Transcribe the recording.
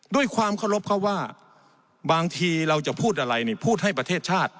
ด้วยความเคารพเขาว่าบางทีเราจะพูดอะไรนี่พูดให้ประเทศชาติ